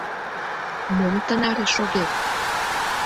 Мом тынаре шогет?